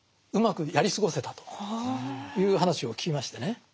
うまくやり過ごせたという話を聞きましてね。